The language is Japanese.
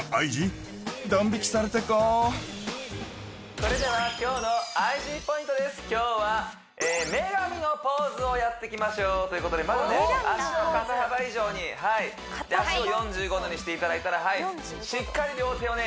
それでは今日はをやってきましょうということでまずはね脚を肩幅以上にはいで脚を４５度にしていただいたらしっかり両手をね